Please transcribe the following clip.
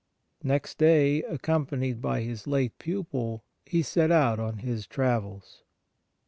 Next day, accompanied by his late pupil, he set out on his travels.